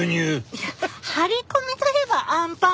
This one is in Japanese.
いや張り込みといえばあんパンと牛乳じゃ。